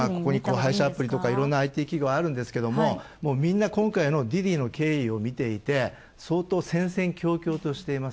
配車アプリとかいろんなＩＴ企業あるんですけども、みんな今回の滴滴の経緯を見ていて相当、戦々恐々としています。